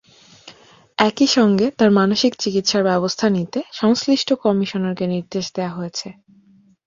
একই সঙ্গে তাঁর মানসিক চিকিৎসার ব্যবস্থা নিতে সংশ্লিষ্ট কমিশনারকে নির্দেশ দেওয়া হয়েছে।